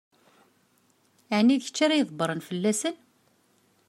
Ɛni d kečč ara ydebbṛen fell-asen?